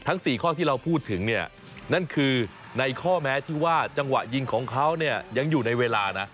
ทั้งสี่ข้อที่เราพูดถึงนั่นคือในข้อแม้ที่ว่าจังหวะยิงของเขายังอยู่ในเวลานะ